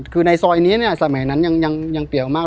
คือในซอยนี้เนี่ยสมัยนั้นยังเปรียวมาก